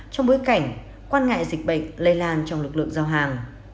trong bối cảnh quan ngại dịch bệnh lây lan trong lực lượng giao hàng